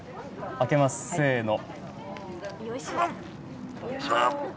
開けます、せーの。